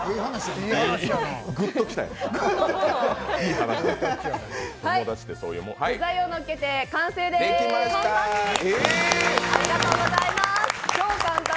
具材をのっけて完成でーす、超簡単。